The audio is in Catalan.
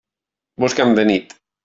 Busca'm de nit.